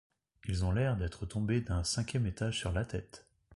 Ils ont l’air d’être tombés d’un cinquième étage sur la tête!